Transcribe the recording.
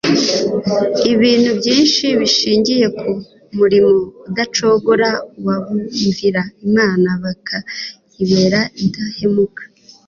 Ibintu byinshi bishingiye ku murimo udacogora wabumvira Imana bakayibera indahemuka